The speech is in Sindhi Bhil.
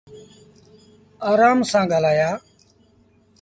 آرآم سآݩ ڳآلآيآ